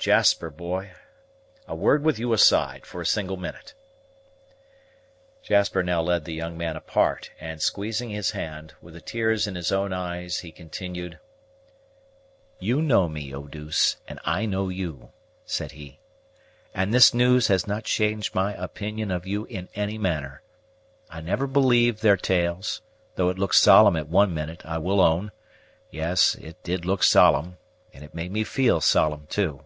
Jasper, boy, a word with you aside, for a single minute." Pathfinder now led the young man apart; and, squeezing his hand, with the tears in his own eyes, he continued: "You know me, Eau douce, and I know you," said he, "and this news has not changed my opinion of you in any manner. I never believed their tales, though it looked solemn at one minute, I will own; yes, it did look solemn, and it made me feel solemn too.